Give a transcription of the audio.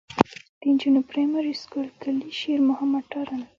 د نجونو پرائمري سکول کلي شېر محمد تارڼ.